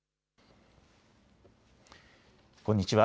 こんにちは。